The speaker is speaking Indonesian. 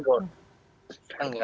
tentu kita tidak ingin menggoda